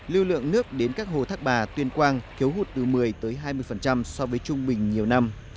lưu lượng nước đến các hồ thác bà tuyên quang thiếu hụt từ một mươi tới hai mươi so với trung bình nhiều năm